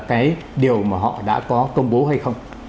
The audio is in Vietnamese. cái điều mà họ đã có công bố hay không